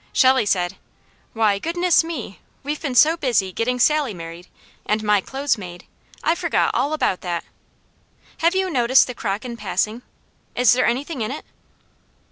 Shelley said: "Why, goodness me! We've been so busy getting Sally married, and my clothes made, I forgot all about that. Have you noticed the crock in passing? Is there anything in it?"